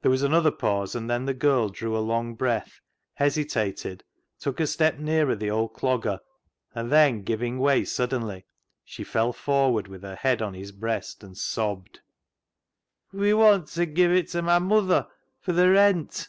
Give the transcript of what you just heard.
There was another pause, and then the girl drew a long breath, hesitated, took a step nearer the old Clogger, and then giving way suddenly, she fell forward with her head on his breast, and sobbed — 224 CLOG SHOP CHRONICLES " We want ta give it my muther fur th' rent."